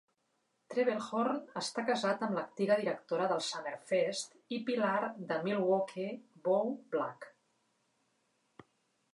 Trebelhorn està casat amb l'antiga directora del Summerfest i pilar de Milwaukee, Bo Black.